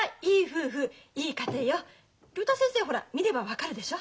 竜太先生ほら見れば分かるでしょ？